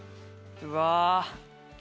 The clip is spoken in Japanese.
うわ！